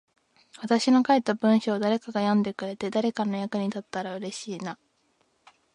私の書いた文章を誰かが読んでくれて、誰かの役に立ったら嬉しいな。